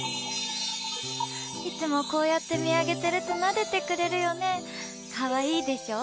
いつもこうやって見上げてるとなでてくれるよね。